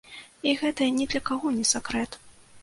І гэта ні для каго не сакрэт.